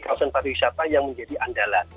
kawasan pariwisata yang menjadi andalan